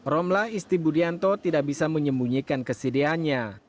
romlah istri budianto tidak bisa menyembunyikan kesedihannya